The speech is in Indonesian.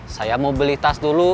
saya mau beli tas dulu